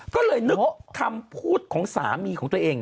ก็เลยนึกคำพูดของสามีของตัวเอง